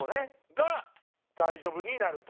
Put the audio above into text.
が大丈夫になると。